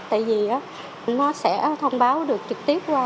tại vì nó sẽ thông báo được trực tiếp ra